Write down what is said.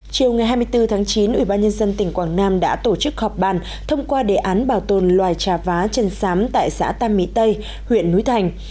chiều ngày hai mươi bốn tháng chín ủy ban nhân dân tỉnh quảng nam đã tổ chức họp bàn thông qua đề án bảo tồn loài trà vá chân sám tại xã tam mỹ tây huyện núi thành